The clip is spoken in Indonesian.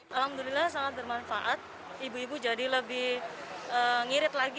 alhamdulillah sangat bermanfaat ibu ibu jadi lebih ngirit lagi